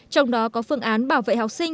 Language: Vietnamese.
trong đó có phương án bảo vệ học sinh